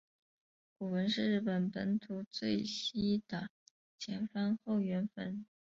古坟是日本本土最西的前方后圆坟。